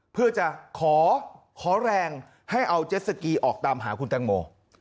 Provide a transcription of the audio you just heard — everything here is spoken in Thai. เพื่อจะขอแรงให้เอาเจ็ดสกีออกตามหาคุณแตงโม